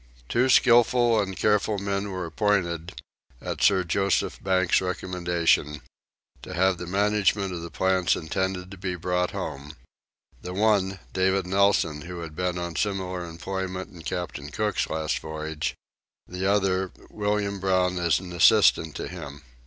Two skilful and careful men were appointed, at Sir Joseph Banks's recommendation, to have the management of the plants intended to be brought home: the one, David Nelson, who had been on similar employment in Captain Cook's last voyage; the other, William Brown, as an assistant to him.